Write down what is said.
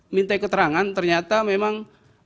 minta keterangan ternyata memang